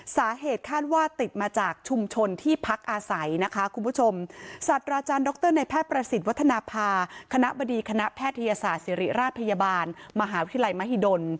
สาเหตุคาดว่าติดมาจากชุมชนที่พักอาศัยนะคะคุณผู้ชมสัตว์อาจารย์ดรในแพทย์ประสิทธิ์วัฒนภาคณะบดีคณะแพทยศาสตร์ศิริราชพยาบาลมหาวิทยาลัยมหิดล